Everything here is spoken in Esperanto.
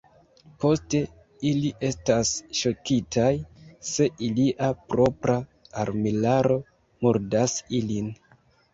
Poste ili estas ŝokitaj, se ilia propra armilaro murdas ilin.